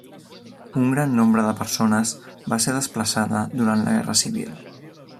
Un gran nombre de persones va ser desplaçada durant la guerra civil.